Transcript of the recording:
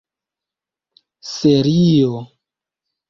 serio